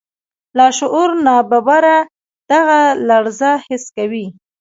لاشعور ناببره دغه لړزه حس کوي.